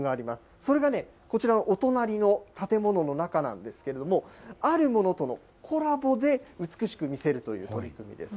それがね、こちらのお隣の建物の中なんですけど、あるものとのコラボで、美しく見せるという取り組みです。